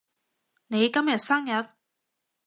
你今日生日？